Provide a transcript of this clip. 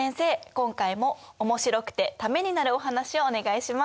今回もおもしろくてためになるお話をお願いします。